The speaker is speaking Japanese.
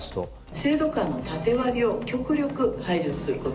制度間の縦割りを極力排除すること。